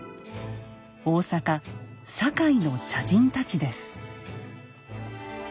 大坂・堺の茶人たちです。